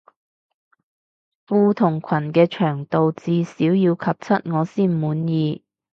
褲同裙嘅長度至少要及膝我先滿意